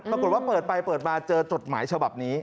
เปิดไปเปิดมาเจอจดหมายฉบับนี้